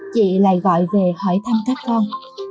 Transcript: chị lại gọi về hỏi thăm các con